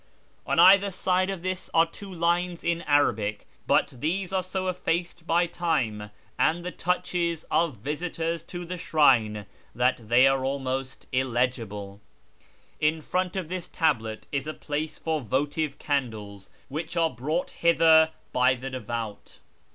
On either side of this sh/rAz 287 are two lines in Arabic, but these are so effaced by time and the touches of visitors to the shrine that they are almost illegible. In front of this tablet is a place for votive candles, which are brought hither by the devout.